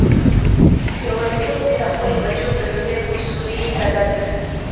جواليتوب دې د خپلو بچو د روزۍ په سوري بدل کړ.